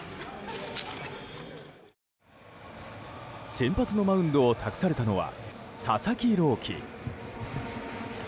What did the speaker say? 先発のマウンドを託されたのは佐々木朗希。